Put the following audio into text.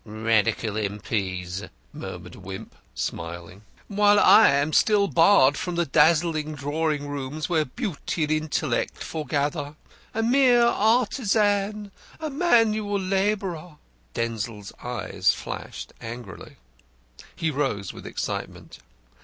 "Radical M.P.'s," murmured Wimp, smiling. "While I am still barred from the dazzling drawing rooms, where beauty and intellect foregather. A mere artisan! A manual labourer!" Denzil's eyes flashed angrily. He rose with excitement.